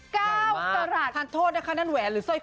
ก้าวกระหลัดขาดโทษนะคะนั่นแหวนหรือสร้อยคอ